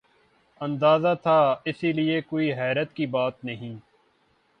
اندازہ تھا ، اس لئے کوئی حیرت کی بات نہیں ۔